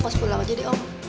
kos pulau aja deh om